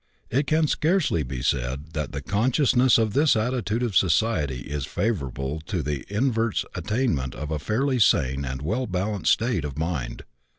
It can scarcely be said that the consciousness of this attitude of society is favorable to the invert's attainment of a fairly sane and well balanced state of mind.